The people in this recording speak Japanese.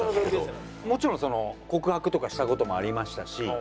もちろんその告白とかした事もありましたし。